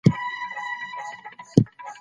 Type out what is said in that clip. پښتون تل د خپلواکۍ او ازادۍ لپاره جنګېدلی دی.